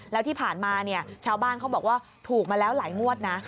แล้วที่ผ่านมาเนี่ยชาวบ้านเขาบอกว่าถูกมาแล้วหลายงวดนะ